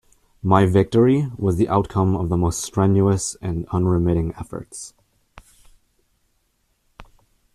My victory was the outcome of the most strenuous and unremitting efforts.